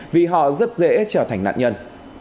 vì họ rất dễ trở thành nạn nhân